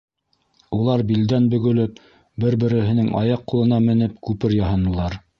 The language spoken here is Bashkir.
Улар билдән бөгөлөп, бер-береһенең аяҡ-ҡулына менеп, күпер яһанылар.